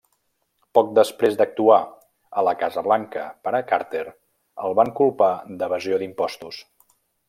Poc després d'actuar a la Casa Blanca per a Carter, el van culpar d'evasió d'impostos.